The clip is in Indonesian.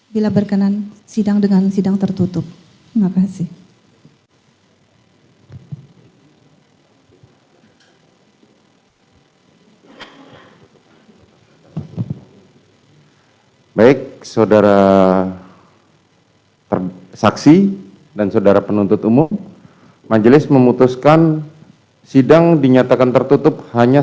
bila berkenan sidang dengan sidang tertutup